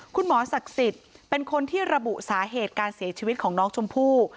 ศักดิ์สิทธิ์เป็นคนที่ระบุสาเหตุการเสียชีวิตของน้องชมพู่